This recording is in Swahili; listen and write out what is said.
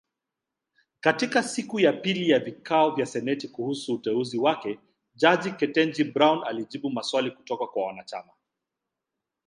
Katika siku ya pili ya vikao vya seneti kuhusu uteuzi wake , jaji Ketanji Brown , alijibu maswali kutoka kwa wanachama.